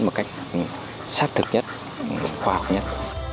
một cách sát thực nhất khoa học nhất